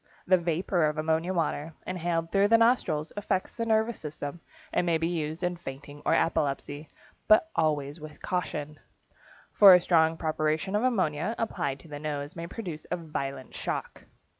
The vapor of ammonia water, inhaled through the nostrils, affects the nervous system and may be used in fainting or epilepsy, but always with caution, for a strong preparation of ammonia applied to the nose may produce a violent shock.